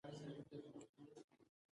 بدلون تحول زیات نه وي.